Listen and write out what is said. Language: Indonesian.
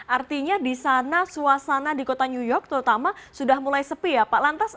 artinya di sana suasana di kota new york terutama sudah mulai sepi ya pak lantas